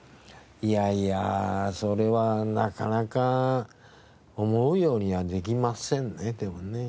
いやいやそれはなかなか思うようにはできませんねでもね。